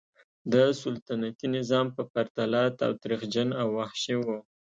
د سلطنتي نظام په پرتله تاوتریخجن او وحشي و.